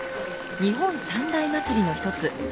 日本三大祭りの一つ